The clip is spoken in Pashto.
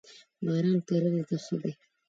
باران کرنی ته ښه دی.